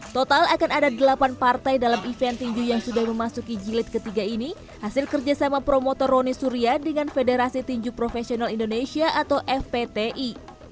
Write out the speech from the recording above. total akan ada delapan partai dalam event tinju yang sudah memasuki jilid ketiga ini hasil kerjasama promotor roni surya dengan federasi tinju profesional indonesia atau fpti